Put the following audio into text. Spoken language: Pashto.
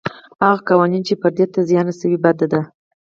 هغه قوانین چې فردیت ته زیان رسوي بد دي.